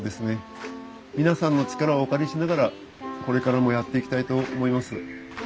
皆さんの力をお借りしながらこれからもやっていきたいと思います。